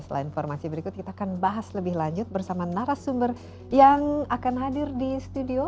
selain informasi berikut kita akan bahas lebih lanjut bersama narasumber yang akan hadir di studio